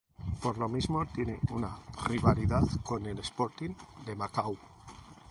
Por lo mismo, tiene una rivalidad con el Sporting de Macau.